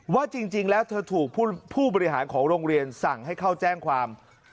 ว่าจริงแล้วเธอถูกผู้บริหารของโรงเรียนสั่งให้เข้าแจ้งความ